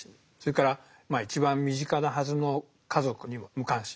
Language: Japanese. それから一番身近なはずの家族にも無関心なんですね。